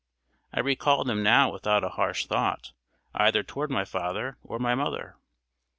I recall them now without a harsh thought either toward my father or my mother.